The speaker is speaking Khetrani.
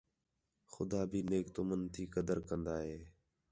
خُدا بھی نیک تُمن تی قدر کَن٘دا ہے